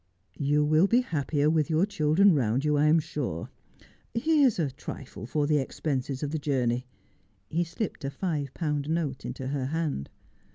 ' You will be happier with your children round you, I am sure. Here is a trifle for the expenses of the journey.' He slipped a five pound note into her hand.